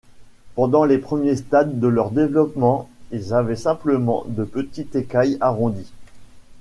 Pendant les premiers stades de leur développement, ils avaient simplement de petites écailles arrondies.